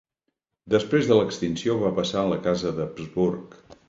Després de l'extinció va passar a la casa d'Habsburg.